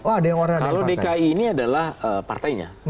kalau dki ini adalah partainya